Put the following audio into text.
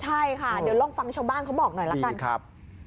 ใช่ค่ะเดี๋ยวลองฟังชาวบ้านเขาบอกหน่อยละกันครับ